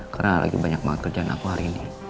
karena lagi banyak banget kerjaan aku hari ini